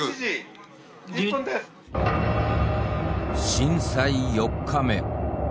震災４日目。